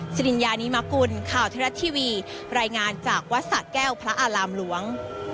สิริญญานิมกุลข่าวเทวรัฐทีวีรายงานจากวัดสะแก้วพระอารามหลวง